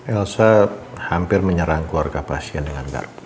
elsa hampir menyerang keluarga pasien dengan